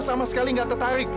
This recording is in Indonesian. sama sekali gak tertarik